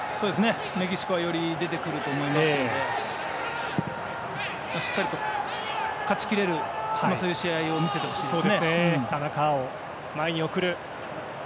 メキシコはより出てくると思いますのでしっかりと勝ち切れる試合を見せてほしいです。